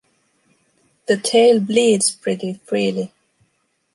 The tail bleeds pretty freely